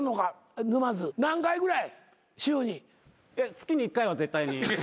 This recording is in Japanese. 月に１回は絶対に。